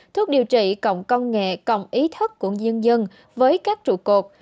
thuốc điều trị cộng công nghệ cộng ý thức của dân dân với các trụ cột